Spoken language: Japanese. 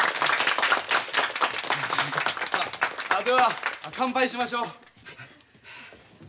では乾杯しましょう。